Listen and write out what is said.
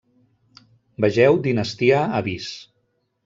Vegeu Dinastia Avís.